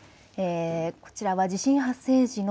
こちらは地震発生時の